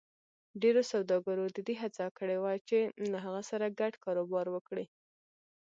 ډېرو سوداګرو د دې هڅه کړې وه چې له هغه سره ګډ کاروبار وکړي.